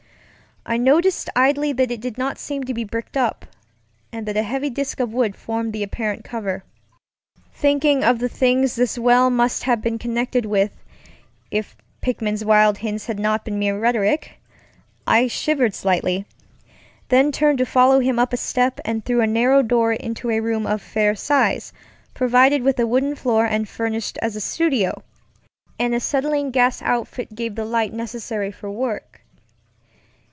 I noticed idly that it did not seem to be bricked up, and that a heavy disk of wood formed the apparent cover. Thinking of the things this well must have been connected with if Pickman's wild hints had hot been mere rhetoric, I shivered slightly; then turned to follow him up a step and through a narrow door into a room of fair size, provided with a wooden floor and furnished as a studio. An acetylene gas outfit gave the light necessary for work.